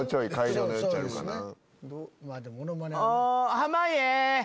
濱家！